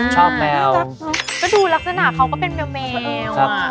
ดูลักษณะเขาก็เป็นแมว